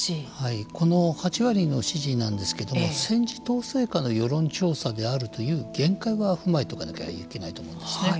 この８割の支持なんですけれども戦時統制下の世論調査であるという限界は踏まえとかなきゃいけないと思うんですね。